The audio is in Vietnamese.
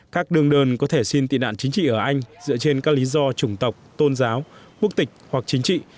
các đương đơn có thể xin tị nản chính trị ở anh dựa trên các lý do chủng tộc tôn giáo quốc tịch hoặc chính trị